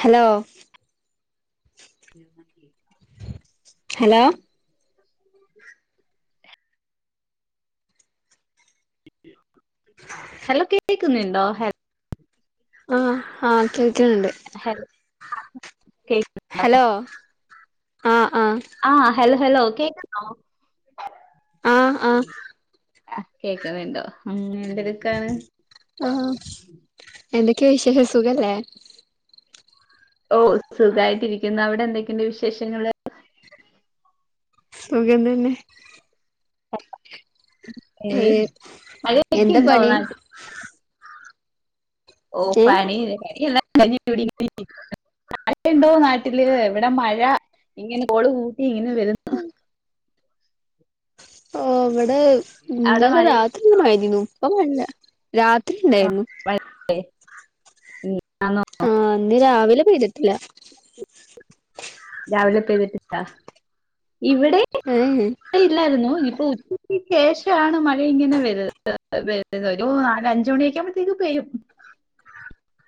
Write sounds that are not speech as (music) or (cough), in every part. Hello (inaudible) hello hello കേക്കുന്നിണ്ടോ ഹല് ആഹ് ആഹ് കേക്കുന്ന്ണ്ട് ഹൽ കേക്ക് ഹലോ ആഹ് ആഹ് ആഹ് ഹൽ ഹലോ കേക്കുന്നോ ആഹ് ആഹ് ആഹ് കേക്കുന്നുണ്ടോ ഉം എന്തെടുക്കാണ് ആഹ് എന്തൊക്കെയാ വിശേഷം സുഖല്ലേ ഓഹ് സുഖായിട്ടിരിക്കുന്നു അവിടെ എന്തൊക്കെയുണ്ട് വിശേഷങ്ങള് സുഖം തന്നെ ഏയ് ഏഹ് എന്താ മഴയൊക്കെയുണ്ടോ പണി നാട്ടി ഓഹ് ഏഹ് പണി എല്ലാം കയിഞ്ഞ് ഇപ്പ ഇവിടെ ഇരിക്കാ മഴ ഉണ്ടോ നാട്ടില് ഇവിടെ മഴ ഇങ്ങനെ കോള് കൂട്ടി ഇങ്ങനെ വരു ഉം ഓഹ് ഇവിടെ അവിടെ ഇന്നലെ മഴയൊക്കെ രാത്രി ഉണ്ടോ? മഴയ്തിന്നു ഇപ്പ മഴല്ല രാത്രി ഇണ്ടായിരുന്നു ടേ ഉം ആന്നോ? ആഹ് ഇന്ന് രാവിലെ പെയ്തിട്ടില്ല രാവിലെ പെയ്തിട്ടില്ലാ ഇവിടെ ഏഹേ ഇല്ലാരുന്നു ഇപ്പ ഉച്ചക്ക് ശേഷാണ് മഴ ഇങ്ങനെ വ വരുന്നത് ഒരു നാലഞ്ച് മണിയൊക്കെ ആവുമ്പ ത്തിനും പെഴും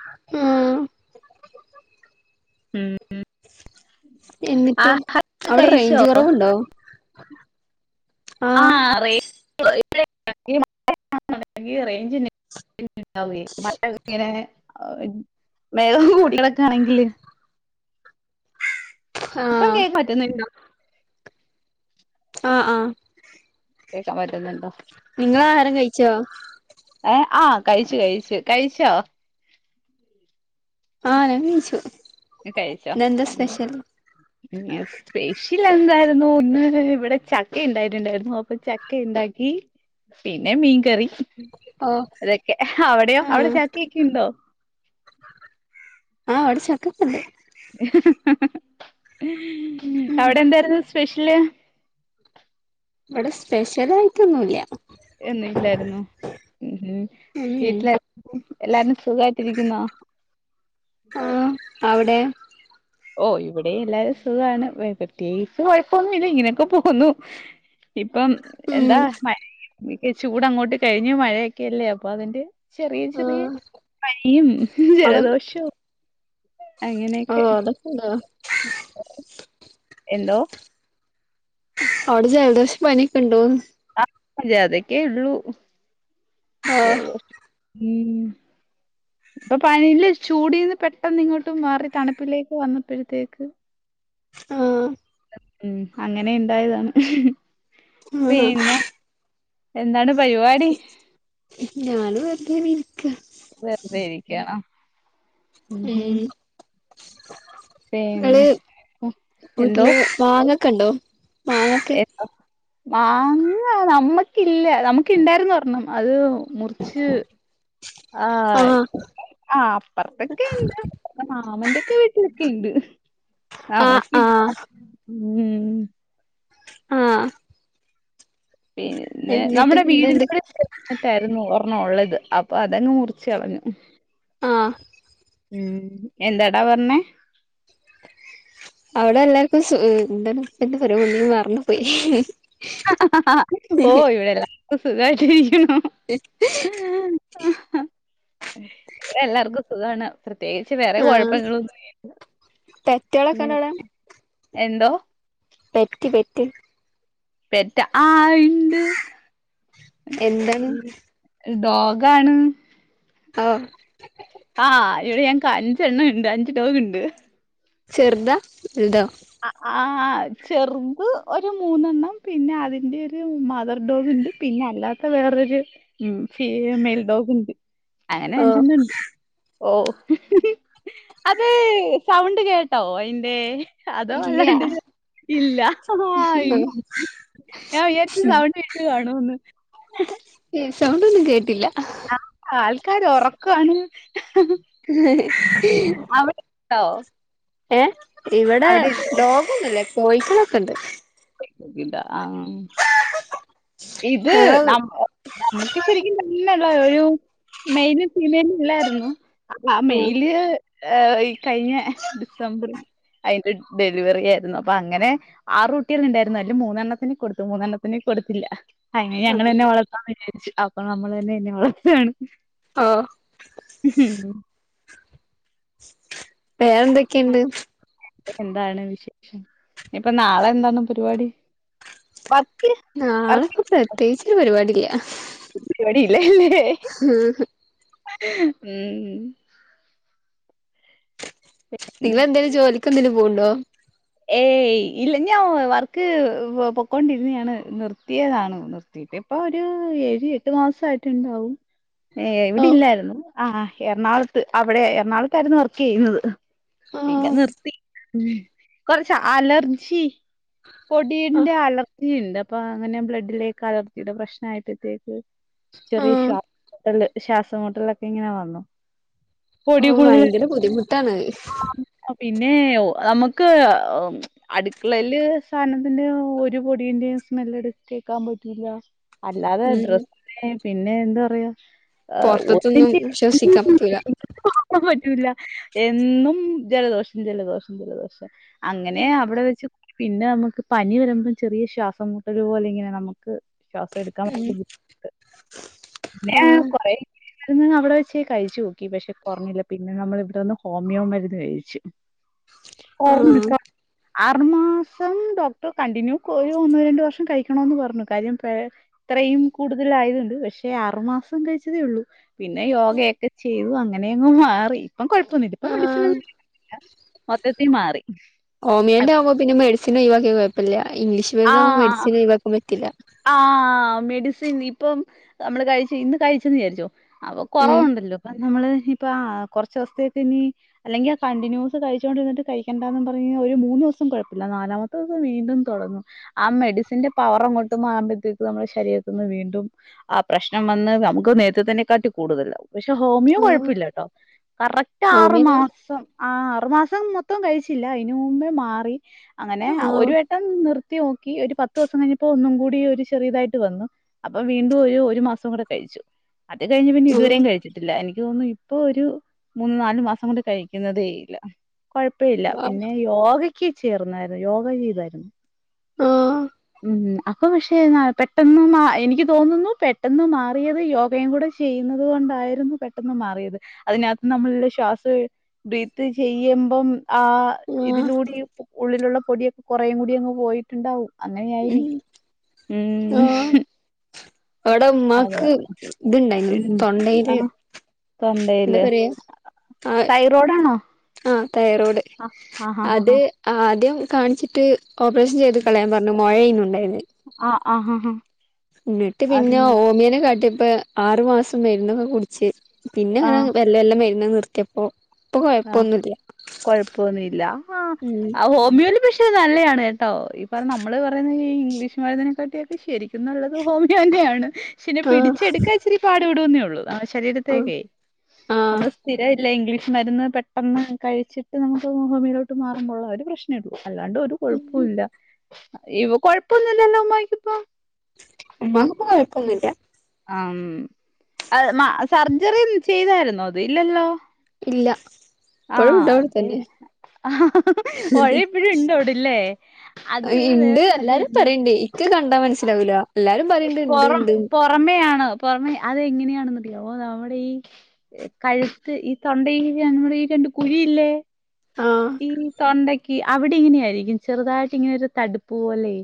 മ് ഉം ആ എന്നിട്ട് (unintelligible) അവിടെ കഴിച്ചോ റേഞ്ച് കുറവുണ്ടോ ആഹ് (unintelligible) റെയിഞ്ചന്നെ ണ്ടാ വെ മഴ ഇങ്ങനെ മേഘം മൂടിയത് ഒക്കെ ആണെങ്കില് ഇപ്പം ആഹ് കേൾക്കാൻ പറ്റുന്നുണ്ടോ ആഹ് ആഹ് കേൾക്കാൻ പറ്റുന്നുണ്ടോ നിങ്ങള് ആഹാരം കഴിച്ചോ ഏഹ് ആഹ് കഴിച്ചു കഴിച്ചു കഴിച്ചോ ആഹ് ഞാ കയിച്ചു നീ കഴിച്ചോ ഉം (unintelligible) സ്പെഷ്യൽ എന്തായിരുന്നു ന്ന് ഇവിടെ ചക്ക ഉണ്ടായിട്ടുണ്ടായിരുന്നു അപ്പൊ ചക്ക യിണ്ടാക്കി പിന്നെ മീൻകറി ഓഹ് അതൊക്കെ അവിടെയോ ആഹ് അവിടെ ചാക്കിയൊക്കെ ഉണ്ടോ ആഹ് ഇവിടെ ചക്ക ഒ ക്കെ ണ്ട് ഉം അവിടെ എന്തായിരുന്നു സ്പെഷ്യല് ഇവിടെ സ്പെഷ്യൽ ആയിട്ടൊന്നുല്ല എന്നും ല്ലായിരുന്നു ഉം ഉം വീട്ടില് എ (inaudible) ക്കും എല്ലാരും സുഖായിട്ടിരിക്കുന്നോ ആ ഹ്അവിടെ ഓ ഇവിടെ എല്ലാ സുഖാണ് പ്രത്യേകിച്ച് കുഴപ്പൊന്നുല്ല ഇങ്ങനെയൊക്കെ പോവുന്നു ഇപ്പം എന്താ ഉം മഴ ചൂട്ങ്ങോട്ട് കഴിഞ്ഞു മഴയൊക്കെല്ലേ അപ്പൊ അതിന്റെ ചെറിയ ചെറിയ ആഹ് പനിയും അവിടെ ജലദോഷും അങ്ങനെയൊക്കെ (unintelligible) എന്തോ അവിടെ ജലദോഷം പനിയൊക്കെ ണ്ടോന്ന് ആഹ് (unintelligible) അതക്കെ ള്ളൂ ആഹ് ജലദോഷം മ് ഇപ്പൊ പനിയിലെ ചൂടിന്ന് പെട്ടന്ന് ഇങ്ങോട്ടും മാറി തണുപ്പിലേക്ക് വന്നപ്പോഴത്തേക്ക് ആഹ് ഉം അങ്ങനെ ഇണ്ടായതാണ് പിന്നെ എന്താണ് പരിപാടി ഞാനു (unintelligible) വെർതേയിരിക്ക്യാണോ ങ്ങള് എന്തോ വൂട്ടില് വാങ്ങൊക്കെ ഉണ്ടോ മാങ്ങൊക്കെ ഏതാ മാങ്ങ നമ്മക്കില്ല നമ്ക്ക് ഇണ്ടാര്ന്നൊരെണ്ണം അത് മുറിച്ച് ആഹ് ആഹ് അപ്പർത്തൊക്കെ ഇണ്ട് മാമന്റെക്കെ വീട്ടിലെക്കെ ഇണ്ട് ആഹ് നമ്മക്കില്ല ആഹ് ഉം ആഹ് പിന്നെ എന്നിട്ട് നമ്മുടെ പിന്നെ എന്ത് വീടിനോട് ന്നിട്ടാരുന്നു ഓർണൊ ഒള്ളത് അപ്പൊ അതങ്ങ് മുറിച്ച് കളഞ്ഞു ആഹ് ഉം എന്താടാ പറഞ്ഞേ അവിടെ എല്ലാർക്കും സു എന്താണ് എന്തൊപറയാ വന്നു മറന്നു പോയി ഓ ഇവിടെ എല്ലാക്കും സുഖായിട്ട് ഇരിക്ക്ണു (unintelligible) ആഹ ഇടെ എല്ലാർക്കും സുഖാണ് പ്രത്യേകിച്ച് വേറെ ആഹ് കൊഴപ്പങ്ങളൊന്നുവില്ല പെറ്റോളൊക്കെ ഉണ്ടോ അവിടെ എന്തോ പെറ്റി പെറ്റി പെറ്റ ആ ഇണ്ട് എന്താണ് ഡോഗാണ് ഹാ ആഹ് ഇവിടെ ഞങ്ക് അഞ്ചെണ്ണ ഇണ്ട് അഞ്ച് ടോഗിണ്ട് ചെർതാ വെൽതോ അആഹ് ചെർത് ഒരു മൂന്നെണ്ണം പിന്നെ അതിന്റെയൊരു മദർ ഡോഗ്ണ്ട് പിന്നല്ലാത്ത വേറൊരു ഉം ഫീ മേൽഡോഗ്ണ്ട് അങ്ങനെ ഓ അഞ്ചെണ്ണണ്ട് ഓ അതേ സൗണ്ട് കേട്ടോ അയിൻ്റേ ഇല്ല അതോവല്ലാണ്ട് (unintelligible) ഇല്ല ഹഹഹാ ഇല്ല ഞാൻ വിജാരിച്ചു സൗണ്ട് കേട്ടു കാണൂന്ന് ഏഹ് സൗണ്ട് ഒന്നും കേട്ടില്ല ആൾക്കാര് ഒറക്കവാണ് അവിടെണ്ടോ ഏഹ് ഇവിടെ അവിടെയുണ്ടോ? ടോഗൊന്നുല്ല കോയിക്കളൊക്കെണ്ട് (unintelligible) ആഹ് ഇത് ഞങ്ങള് നമ് നമ്മക്ക് ശരിക്കും നല്ലതാ ഒരു മെയ്ലും ഫീമെയിലും ഇല്ലാരുന്നു ആഹ് മെയില് ഏ ഈ കഴിഞ്ഞ ഡിസംബറില് അയിന്റെ ഡെലിവറി ആയിരുന്നു അപ്പൊ അങ്ങനെ ആറൂ കുട്ട്യല്ണ്ടായിരുന്നു അയ്ല് മൂന്നെണ്ണത്തിനെ കൊടുത്തു മൂന്നെണ്ണത്തിനെ കൊടുത്തില്ല അയ്നെ ഞങ്ങളന്നെ വളർത്താന് വിചാരിച്ചു അ പ്പൊ നമ്മളന്നയ്നെ വളർത്ത്ഹാണ് ആഹ് ഉംഹ് വേറെന്തൊക്കെയ്ണ്ട് പ്പ എന്താണ് വിശേഷം ഇനീപ്പൊ നാളെയെന്താണ് പരിപാടി വർക്ക് വർക്ക് നാളെക്കെ പ്രത്യേകിച്ചൊര് പരിപാടില്ല പയ്പാടി ഇല്ലഹ് ഇല്ലേ ഹ് ഹും (unintelligible) ഉം നിങ്ങളെന്തേലും ജോലിക്കെന്തേലും പോവുണ്ടോ ഏയ് ഇല്ല ഞാൻ വർക്ക് പൊക്കൊണ്ടിരുന്നയാണ് നിർത്തിയതാണ് ഇതിപ്പൊ ഒരു ഏഴ് എട്ട് മാസായിട്ട്ണ്ടാവും ഏഹ് ഓ ഇവിടെ ഇല്ലായിരുന്നു ആഹ് എറണാകൊളത്ത് അവിടെ എറണാകൊളത്തായിരുന്നു വർക്കെയ്തത് ആ പിന്നെ നിർത്തി മ് കൊറച്ച് അലർജി പൊടീന്റെ അലർജിയിണ്ട് അപ്പൊ അങ്ങനെ ബ്ലഡിലേക്ക് അലർജിയുടെ പ്രശ്നായിട്ട് ആ ചെറിയേ ശ്വാസംമുട്ടലൊക്കെ ഇങ്ങനെ വന്നു ഓ പൊടികൂട്തല് ഭയങ്കര ബുദ്ധിമുട്ടാണ് ആഹ് പിന്നേ ഓ നമുക്ക് ഓമ് അടുക്കളയില് സാനത്തിന്റെ ഒരു പൊടീന്റെയും സ്മെൽ എട് കേക്കാൻ പറ്റൂല അല്ലാതെ ഉം ഡ്രസ് പിന്നെ എന്താ പറയാ ഏഹ് പുറ്ത്ത്ത്തൊന്നും ഒന്നിന്റെ ശ്വസിക്കാൻ പറ്റൂലാ പറ്റൂല എന്നും ജലദോഷം ജലദോഷം ജലദോഷം അങ്ങനെ ഉം അവിടെ വെച്ച് പിന്നെ നമ്മക്ക് പനി വരുമ്പോം ചെറിയ ശ്വാസംമുട്ടൽ പോലെ ഇങ്ങനെ നമുക്ക് ശ്വാസം എടുക്കാൻ ബുദ്ധി പിന്നെ ആ കൊറേയി പിന്നെ അവിടെ വെച്ചേ കഴിച്ചു നോക്കി പക്ഷെ കൊറഞ്ഞില്ല പിന്നെ നമ്മൾ ഇവിടെന്ന് ഹോമിയോ മരുന്ന് കഴിച്ചു നോക്കി (unintelligible) ആ (unintelligible) ക്ക ആറുമാസം ഡോക്ടർ കണ്ടിന്യൂസ് (inaudible) ഒന്നുരണ്ട് വർഷം കഴിക്കണോന്ന് പറഞ്ഞു കാര്യം പേ ഇത്രയും കൂടുതലായതൊണ്ട് വിഷം പക്ഷേ ആറുമാസം കഴിച്ചതേ ഒള്ളൂ പിന്നെ യോഗയൊക്കെ ചെയ്തു അങ്ങനെയങ്ങ് മാറി ഇപ്പം കൊഴപ്പൊന്നുംല്ല ഇപ്പം ആ മെഡിസിനൊ ഒന്നും ഇല്ല മൊത്തത്തി മാറി ഹോമിയോന്റെ ആവുമ്പോ പിന്നെ മെഡിസിന് ഒഴിവാക്കിയ കൊഴപ്പല്ല ഇംഗ്ലീഷ് ആ മരുന്ന് നമുക്ക് ആ മെഡിസിന് ഒഴിവാകാൻ പറ്റില്ല ആഹ് മെഡിസിൻ ഇപ്പം നമ്മള് കഴിച്ചു ഇന്ന് കഴിച്ചന്ന് വിചാരിച്ചോ അപ്പൊ ഉം കൊറവുണ്ടല്ലോ ഇപ്പൊ നമ്മള് ഇനിയിപ്പ ആഹ് കൊറച്ചൂസ്ത്തേക്ക് ഇനി അല്ലെങ്കിൽ കണ്ടിന്യൂസ് കഴിച്ചുകോണ്ടിരുന്നട്ട് കഴിക്കണ്ടാന്ന് പറഞ്ഞ് ഒരു മൂന്ന് ദിവസം കൊഴപ്പെല്ലാ നാലാമത്തെ ദിവസം വീണ്ടും തൊടങ്ങും ആഹ് മെഡിസിന്റെ പവറങ്ങോട്ട് ട്ടും മാറുമ്പൊഴ്ത്തേക്ക് നമ്മുടെ ശരീരത്ത്ന്ന് വീണ്ടും ആഹ് പ്രശ്നം വന്ന് നമുക്ക് നേരത്തെതന്നെ കാട്ടി കൂടുതലാവും പക്ഷെ ഹോമിയോ ആഹ് കൊഴപ്പില്ലട്ടോ കറക്റ്റ് ആറു ഹോമിയോന് മാസം ആഹ് ആറുമാസം മൊത്തം കഴിച്ചില്ല അയിന് മുമ്പേ കൊറേ മാറി അങ്ങനെ ആഹ് ഒരു ട്ടം നിർത്തി നോക്കി ഒരു പത്ത് ദിവസം കഴിഞ്ഞപ്പോ ഒന്നും കൂടി ഒരു ചെറിയതായിട്ട് വന്നു അപ്പൊ വീണ്ടും ഒരു ഒരു മാസം കൂടെ കഴിച്ചു അത് കഴിഞ്ഞ് പിന്നെ ആഹ് ഇതുവരെയും കഴിച്ച് ട്ടില്ല എനിക്ക് തോന്നുന്നു ഇപ്പൊ ഒരു മൂന്ന് നാലു മാസം കൊണ്ട് കഴിക്കുന്നതേ ഇല്ല കൊഴപ്പല്ല പിന്നെ യോഗയ്ക്ക് ചേർന്നായിരുന്ന് യോഗ ചെയ്തായിരുന്നു ആഹ് ആഹ് ഉം ഇപ്പം പക്ഷെ എന്നാൽ പെട്ടെന്നൊന്ന എനിക്ക് തോന്നുന്നു പെട്ടെന്ന് മാറിയത് യോഗയും കൂടെ ചെയ്യുന്നത് കൊണ്ടായിരുന്നു പെട്ടെന്ന് മാറിയത് അതിനകത്ത് നമ്മൾ ശ്വാസവെ ബ്രീത്ത് ചെയ്യുമ്പം ആഹ് ഇതിലൂടി ഉള്ളിലുള്ള പൊടിയൊക്കെ കൊറേയും കൂടി അങ്ങ് പോയിട്ടുണ്ടാവും ഉം അങ്ങനെയായിരിക്കും ഉം ഇവിടെ അത് ഉമ്മാക്ക് ഇത്ണ്ടായിനു തൊണ്ടയില് എന്താ തൊണ്ടേല് പറയാ ആഹ് തൈറോഡാണോ ആഹ് തയറോഡ് ഹാ അത് ഹാ ആദ്യം കാണിച്ചിട്ട് ഓപ്പറേഷൻ ചെയ്ത് കളയാൻ പറഞ്ഞു മൊഴയായിനു ഉണ്ടായേന്. ആഹ്- ആഹ് ഹ ഹാ. എന്നിട്ട് പിന്നെ ഹോ എന്നിട്ട് മിയനെ കാട്ടിയപ്പെ ആറു മാസം മരുന്നൊക്കെ കുടിച്ച് പിന്നെ ആ അങ്ങനങ്ങ് വെല്ലെ വെല്ലെ മരുന്നു നിർത്തിയപ്പോൾ ആഹ്, കൊഴപ്പൊന്നുമില്ല ആഹ് ഉം ആ ഹോമിയോൽ പ്രശ്നം നല്ലയാണ് കേട്ടോ, ഈ പറ നമ്മൾ റയുന്ന ഈ ഇംഗ്ലീഷ് മരുന്നിനെക്കാട്ടിയൊക്കെ ശരിക്കും നല്ലത് ഹോമിയോ തന്നെയാണ് പക്ഷെ ഇതിനെ ആഹ് പിടിച്ചെടുക്കാൻ ഇച്ചിരി പാടുപെടൂന്നെ ഉള്ളൂ. ആഹ് ശരീരത്തേക്കെ ആഹ് നമ്മൾ സ്ഥിര ഇല്ല ഇംഗ്ലീഷ് മരുന്ന് പെട്ടെന്ന് കഴിച്ചിട്ട് നമുക്ക് ഹോ ഹോമിയയിലോട്ട് മാറുമ്പോള്ള ഒരു പ്രശ്നം. നെടു അല്ലാണ്ട് ഒരു കൊഴപ്പുല്ല ഇവ് കൊഴപ്പൊന്നുല്ലല്ലോ ഉമ്മായിക്കിപ്പം. ഉമ്മാക്ഇ പ്പം കൊഴപ്പൊന്നു ഇല്ല. ആം. അത് മ സർജറി ചെയ്തായിരുന്നോ, അത് ഇല്ലല്ലോ? ഇല്ല. ആ, ഇപ്പഴും ഉണ്ട് അവിടെ അതെ തന്നെ ആ പുഴ യിപ്പോഴും ഉണ്ടവിടെയല്ലേ ഇണ്ട് എല്ലാരും പറയണ്ട് ഇക്ക് കണ്ടാ മനസ്സിലാവൂലാ എല്ലാരും പറയണ്ട് ഇണ്ട് ഇണ്ട്. പൊറമെയാണോ പൊറമെ അത് എങ്ങനെയാണെന്നറിയാവോ നമ്മുടെ ഈ കഴുത്ത് ഈ തൊണ്ട ഈ നമ്മുടെ ഈ രണ്ട് കുഴിയില്ലേ ആഹ് ഈ തൊണ്ടെ ക്ക് അവിടെ ഇങ്ങനെ ആയിരിക്കും. ചെറുതായിട്ട് ഇങ്ങനെ ഒരു തടുപ്പ് പോലെ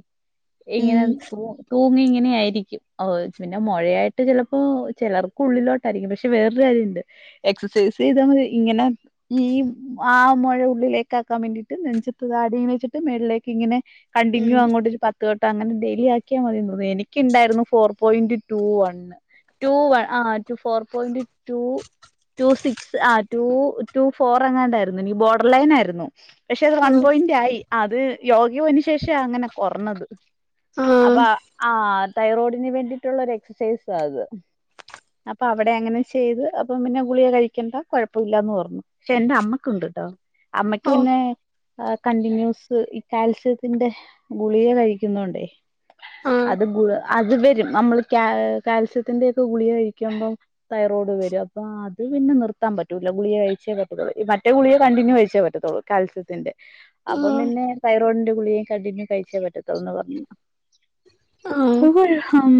ഇങ്ങനെ ഉം ത്രൂ തൂങ്ങി ഇങ്ങനെ ആയിരിക്കും. അത് പിന്നെ മൊഴയായിട്ട് ചിലപ്പോ ചെലർക്കുള്ളിലോട്ടായിരിക്കും പക്ഷെ വേറൊരു കാര്യുണ്ട്. എക്സസൈസ് ചെയ്താ മതി ഇങ്ങനെ ഈ ആ മൊഴ ഉള്ളിലേക്കാക്കാൻ വേണ്ടിട്ട് നെഞ്ചത്ത് താടി വെച്ചിട്ട് മേളിലേക്ക് ഇങ്ങനെ കണ്ടിന്യൂ ഉം അങ്ങോട്ടൊരു പത്ത് വെട്ടം അങ്ങനെ ഡെയിലി ആക്കിയാ മതീന്ന് തോന്നുന്നു. എനിക്കുണ്ടായിരുന്നു four point two one two വ ആഹ് two four point two two six, ആഹ് റ്റു റ്റു ഫോർ, അങ്ങാണ്ടായിരുന്നു. ഇനി ബോഡർ ലൈനായിരുന്നു. പക്ഷേ അത് വൺ ആഹ് പോയിന്റ് ആയി അത് യോ യ്യോ അയിന് ശേഷാ അങ്ങനെ കൊറഞ്ഞത് ആഹ് അപ്പൊ ആഹ് തൈറോയ്ഡിന് വേണ്ടി ട്ടുള്ളൊരു എക്സസൈസാ അത്. അപ്പ അവിടെ അങ്ങനെ ചെയ്ത് അപ്പം പിന്നെ ഗുളിക കഴിക്കണ്ട കൊഴപ്പം ഇല്ലാന്ന് പറഞ്ഞു. പക്ഷേ എന്റെ അമ്മക്ക് ഉണ്ട്ട്ടോ, അമ്മയ്ക്ക് ഓ പിന്നെ ആഹ്, കണ്ടിന്യൂസ് ഈ കാൽസ്യത്തിന്റെ ഗുളിക കഴിക്കുന്നോണ്ടേ ആഹ് അത് ഗുള് അത് വരും. നമ്മൾ കാ കാൽസ്യത്തിന്റെയൊക്കെ ഗുളിക കഴിക്കുമ്പം തൈറോഡ് വരും. അപ്പ അത് പിന്നെ നിർത്താൻ പറ്റൂല. ഗുളിക കഴിച്ചേ പറ്റത്തോളൂ മറ്റേ ഗുളിക കണ്ടിന്യൂ കഴിച്ചേ പ ട്ടത്തോളൂ കൽസ്യം. ത്തിന്റെ അപ്പം ആഹ് പിന്നെ തൈറോയ്ഡിന്റെ ഗളിയയും കണ്ടിന്യു കഴിച്ചേ പറ്റത്തോൾന്ന് പറഞ്ഞ് ആഹ് ഹം,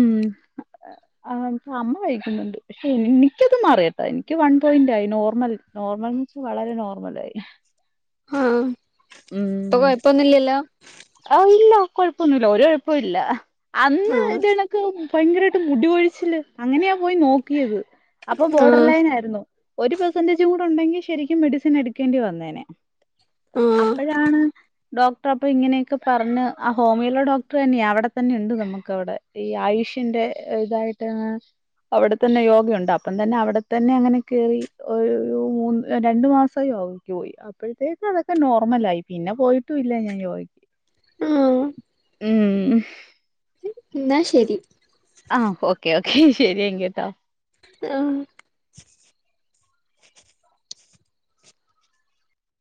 അമ്മ കൈക്കുന്നുണ്ട്. പക്ഷേ എനിക്കത് മാറിയട്ടാ എനിക്ക് വൺ പോയിന്റ് ആയി, നോർമൽ നോർമൽന്ന് വെച്ചൽ വളരെ നോർമൽ ആയി. ആ, ഇപ്പോ കൊഴപ്പൊന്നുംല്ലല്ലോ? ആ, ഇല്ല കൊഴപ്പൊന്നുല്ല, ഒരു കൊഴപ്പമില്ല അന്ന് ആഹ് ഇത്ണക്ക് ഭയങ്കരമായിട്ട് മുടി കൊഴിച്ചിൽ അങ്ങനെയാ പോയി നോക്കിയത് അപ്പോ ബോർഡർ ആഹ് ലൈൻ ആയിരുന്നു. ഒരു പെർസെന്റേജും കൂടെ ഉണ്ടെങ്കിൽ ശരിക്കും മെഡിസിൻ എടുക്കേണ്ടി വന്നേനെ. ആഹ് അപ്പോഴാണ് ഡോക്ടർ അപ്പോ ഇങ്ങനെ ക്കെ പറഞ്ഞ ആ ഹോമിയോല ഡോക്ടർ തന്നെയ അവിടെ തന്നെ ഉണ്ട് നമുക്ക് അവിടെ ഈ ആയുഷ്യന്റെ ഇതായിട്ട് ട്ട അവിടെ തന്നെ യോഗണ്ട്, അപ്പം തന്നെ അവിടെത്തന്നെ അങ്ങനെ കെറി ഒരു മൂന്ന് രണ്ടു മാസം. ഇപ്പ യോഗയ്ക്ക് പോയി അപ്പഴത്തേക്ക് അതൊക്കെ നോർമലായി പിന്നെ പോയിട്ടും ഇല്ല ഞാൻ യോഗ ആഹ് ഉം ഇന്നാ ശരി ആ ഓക്കേ ഓക്കേ ശരിയങ്കി ട്ടോ അ ആ